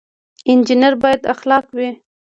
انجنیر باید خلاق وي